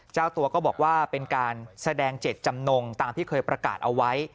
เจ้าตัวก็บอกว่าเป็นการแสดงเจตจำนงตามที่เคยประกาศเอาไว้